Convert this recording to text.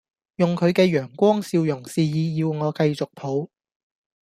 用佢嘅陽光笑容示意要我繼續抱